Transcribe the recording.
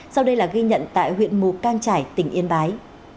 sau đây là ghi nhận tại huyện mù cang trải tỉnh yên bái